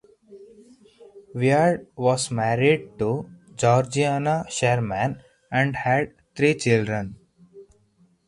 Wiard was married to Georgiana Sherman and had three children.